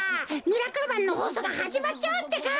「ミラクルマン」のほうそうがはじまっちゃうってか。